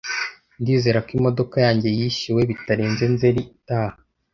Ndizera ko imodoka yanjye yishyuwe bitarenze Nzeri itaha.